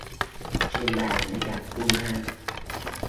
Trên bàn nơi đặt Kuman